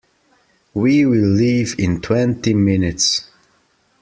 We will leave in twenty minutes.